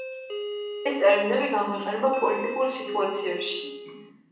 ეს ტერმინები გამოიყენება პოლიტიკურ სიტუაციებში.